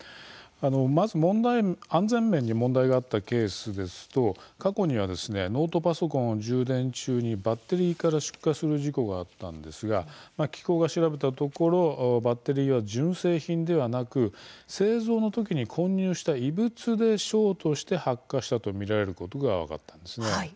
まず、安全面に問題があったケースですと過去にはノートパソコンを充電中にバッテリーから出火する事故があったんですが機構が調べたところバッテリーは純正品ではなく製造のときに混入した異物でショートして発火したとみられることが分かったんです。